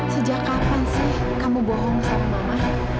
sejak kapan sih kamu bohong sama mama